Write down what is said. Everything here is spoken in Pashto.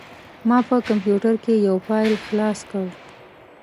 ما په کمپوټر کې یو فایل خلاص کړ.